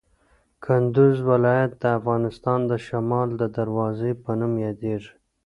کندوز ولایت د افغانستان د شمال د دروازې په نوم یادیږي.